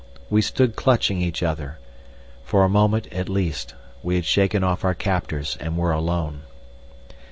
We stood clutching each other. For a moment, at least, we had shaken off our captors and were alone.